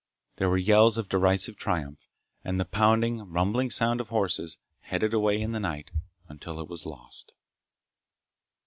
There were yells of derisive triumph and the pounding, rumbling sound of horses headed away in the night until it was lost.